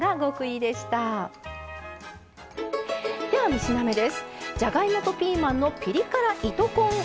では３品目です。